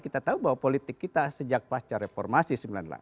kita tahu bahwa politik kita sejak pasca reformasi sembilan puluh delapan